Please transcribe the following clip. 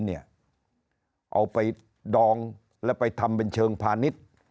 เอาไปดองแล้วไปทำเป็นเชิงพาณิชย์